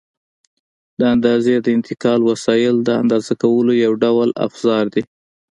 د اندازې د انتقال وسایل د اندازه کولو یو ډول افزار دي.